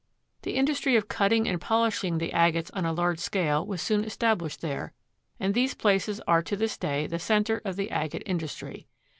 The industry of cutting and polishing the agates on a large scale was soon established there, and these places are to this day the center of the agate industry.